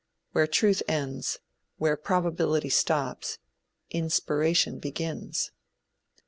Where truth ends, where probability stops, inspiration begins.